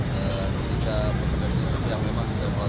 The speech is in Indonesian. ketua majukan yang memang sudah mulai